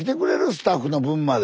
スタッフの分まで。